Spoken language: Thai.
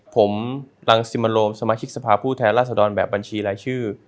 ผมรังสิมโรมสมาชิกสภาพผู้แทนราษฎรแบบบัญชีรายชื่อ